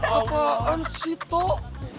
apaan sih toh